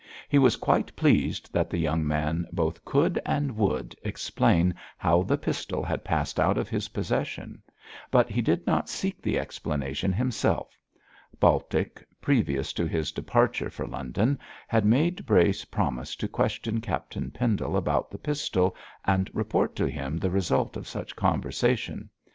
He was quite satisfied that the young man both could, and would, explain how the pistol had passed out of his possession; but he did not seek the explanation himself. Baltic, previous to his departure for London, had made Brace promise to question Captain Pendle about the pistol, and report to him the result of such conversation.